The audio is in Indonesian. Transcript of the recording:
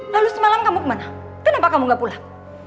lalu semalam kamu kemana kenapa kamu gak pulang